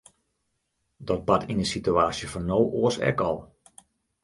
Dat bart yn de situaasje fan no oars ek al.